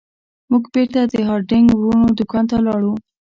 موږ بیرته د هارډینګ ورونو دکان ته لاړو.